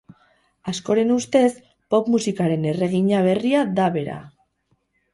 Askoren ustez pop musikaren erregina berria da bera.